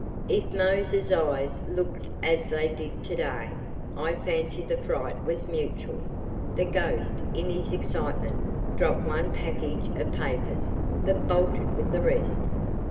If Mose's eyes looked as they did to day I fancy the fright was mutual. The ghost, in his excitement, dropped one package of papers, but bolted with the rest.